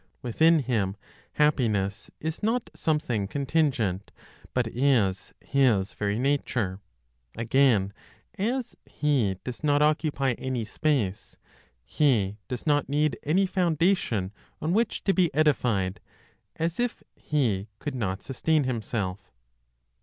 Within Him, happiness is not something contingent, but is His very nature. Again, as He does not occupy any space, He does not need any foundation on which to be edified, as if He could not sustain Himself.